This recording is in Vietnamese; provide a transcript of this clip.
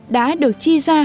đã được chi ra